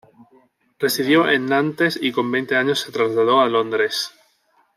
Residió en Nantes y con veinte años se trasladó a Londres.